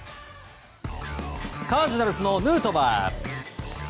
カージナルスのヌートバー。